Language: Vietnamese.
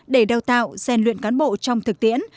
để đào tạo rèn luyện cán bộ trong thực tiễn